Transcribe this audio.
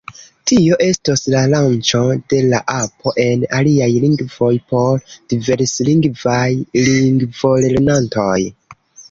Tio estos la lanĉo de la apo en aliaj lingvoj, por diverslingvaj lingvolernantoj.